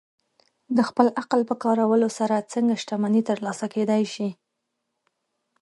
د خپل عقل په کارولو سره څنګه شتمني ترلاسه کېدای شي؟